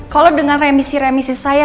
kalau dengan remisi remisi saya